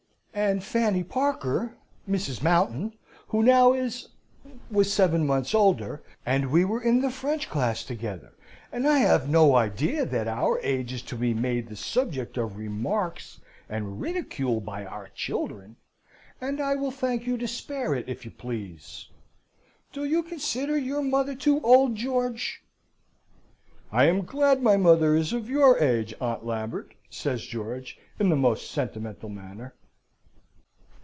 And Fanny Parker Mrs. Mountain who now is was seven months older, and we were in the French class together; and I have no idea that our age is to be made the subject of remarks and ridicule by our children, and I will thank you to spare it, if you please! Do you consider your mother too old, George?" "I am glad my mother is of your age, Aunt Lambert," says George, in the most sentimental manner.